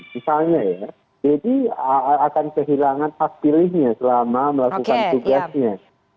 misalnya ya deddy akan kehilangan hak pilihnya selama melakukan tugasnya